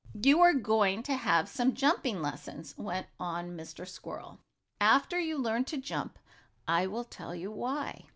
"You are going to have some jumping lessons," went on Mr. Squirrel. "After you learn to jump, I will tell you why."